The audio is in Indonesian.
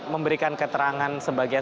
memberikan keterangan sebagai